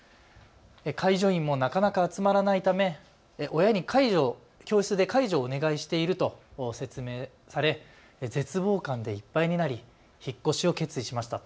介助員もなかなか集まらないため親に教室で介助をお願いしていると説明され絶望感でいっぱいになり引っ越しを決意しました。